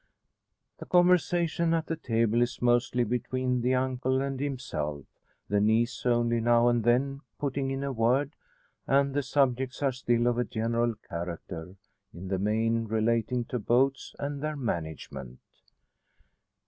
The conversation at the table is mostly between the uncle and himself, the niece only now and then putting in a word; and the subjects are still of a general character, in the main relating to boats and their management.